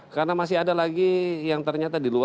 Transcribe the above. karena masih ada lagi yang ternyata diluaskan